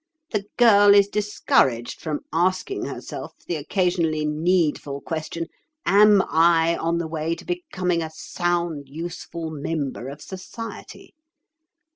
The girl is discouraged from asking herself the occasionally needful question: Am I on the way to becoming a sound, useful member of society?